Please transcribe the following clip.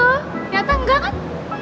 ternyata enggak kan